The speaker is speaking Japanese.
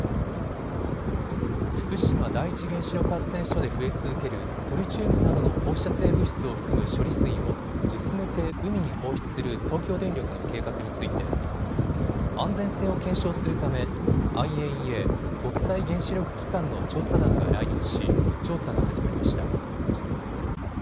福島第一原子力発電所で増え続けるトリチウムなどの放射性物質を含む処理水を薄めて海に放出する東京電力の計画について安全性を検証するためＩＡＥＡ・国際原子力機関の調査団が来日し調査が始まりました。